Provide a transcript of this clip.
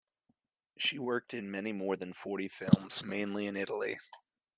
She worked in more than forty films, mainly in Italy.